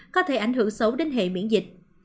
có thể ảnh hưởng xấu đến hệ miễn dịch